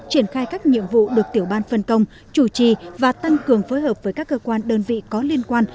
triển khai các nhiệm vụ được tiểu ban phân công chủ trì và tăng cường phối hợp với các cơ quan đơn vị có liên quan